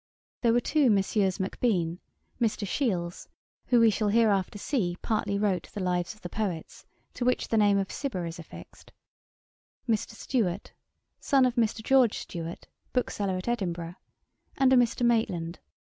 There were two Messieurs Macbean; Mr. Shiels, who we shall hereafter see partly wrote the Lives of the Poets to which the name of Cibber is affixed; Mr. Stewart, son of Mr. George Stewart, bookseller at Edinburgh; and a Mr. Maitland.